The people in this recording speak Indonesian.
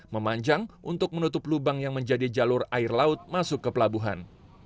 memanjang untuk menutup lubang yang menjadi jalur air laut masuk ke pelabuhan